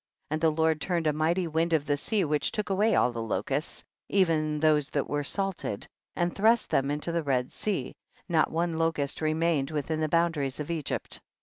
* 35. And the Lord turned a mighty wind of the sea which took away all the locusts, even those that were salted, and thrust them into the Red Sea ; not one locust remained within the boundaries of Egypt.